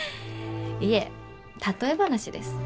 いえ例え話です。